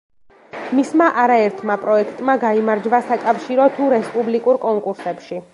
მისმა არაერთმა პროექტმა გაიმარჯვა საკავშირო თუ რესპუბლიკურ კონკურსებში.